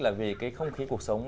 là vì cái không khí cuộc sống